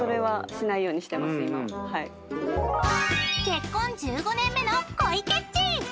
［結婚１５年目の小池っち］